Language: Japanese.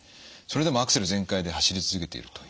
それでもアクセル全開で走り続けていると。